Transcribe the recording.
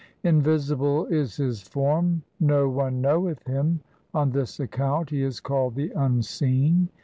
Invisible is His form, no one knoweth Him ; On this account he is called the Unseen.